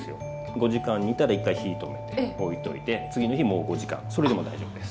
５時間煮たら１回火止めて置いといて次の日もう５時間それでも大丈夫です。